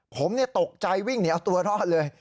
ผมเนี่ยตกใจวิ่งเหนียวตัวรอดเลย